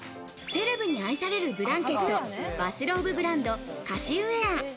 セレブに愛されるブランケット・バスローブブランド、カシウエア。